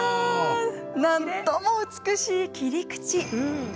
なんとも美しい切り口。